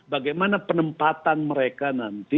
bagaimana penempatan mereka nanti